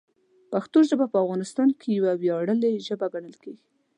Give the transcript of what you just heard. پښتو ژبه په افغانستان کې یوه ویاړلې ژبه ګڼل کېږي.